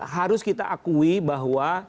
harus kita akui bahwa